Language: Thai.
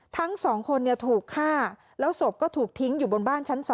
ทั้งสองคนถูกฆ่าแล้วศพก็ถูกทิ้งอยู่บนบ้านชั้น๒